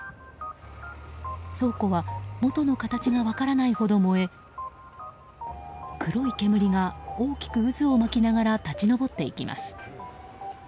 倉庫は元の形が分からないほど燃え黒い煙が大きく渦を巻きながら立ち上っていきます。